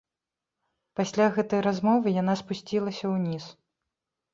Пасля гэтай размовы яна спусцілася ўніз.